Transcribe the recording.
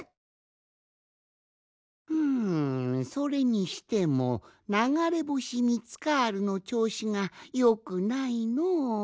ふんそれにしてもながれぼしミツカールのちょうしがよくないのう。